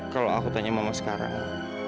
kalau aku tanya mama sekarang